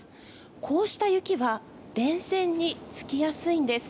こうした雪は電線につきやすいんです。